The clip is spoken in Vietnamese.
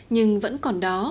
nhưng vẫn còn đó